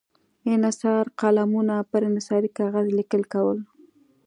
انحصاري قلمونو پر انحصاري کاغذ لیکل کول.